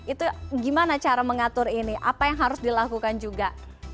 itu gimana cara mengatur ini apa yang harus dilakukan juga